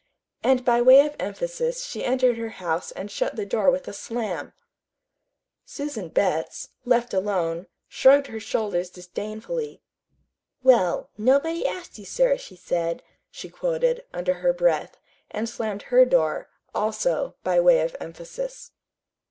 And by way of emphasis she entered her house and shut the door with a slam. Susan Betts, left alone, shrugged her shoulders disdainfully. "Well, 'nobody asked you, sir, she said,'" she quoted, under her breath, and slammed her door, also, by way of emphasis.